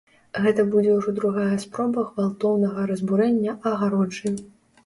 Гэта будзе ўжо другая спроба гвалтоўнага разбурэння агароджы.